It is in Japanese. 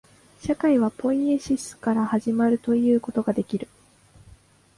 社会はポイエシスから始まるということができる。